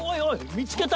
見つけた！